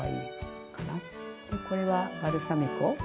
これはバルサミコ。